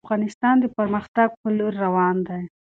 افغانستان د پرمختګ په لوري روان دی.